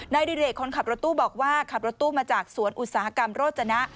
ดิเรกคนขับรถตู้บอกว่าขับรถตู้มาจากสวนอุตสาหกรรมโรจนะ